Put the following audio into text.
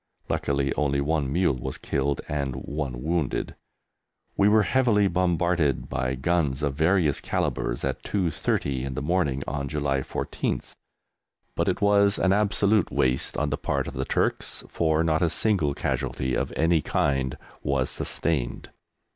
Luckily only one mule was killed and one wounded. We were heavily bombarded by guns of various calibres at 2.30 in the morning on July 14th, but it was an absolute waste on the part of the Turks, for not a single casualty of any kind was sustained.